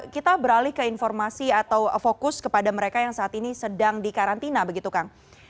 kita beralih ke informasi atau fokus kepada mereka yang saat ini sedang di karantina begitu kang